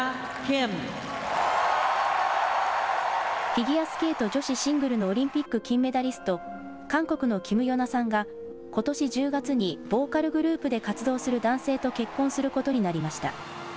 フィギュアスケート女子シングルのオリンピック金メダリスト、韓国のキム・ヨナさんが、ことし１０月にボーカルグループで活動する男性と結婚することになりました。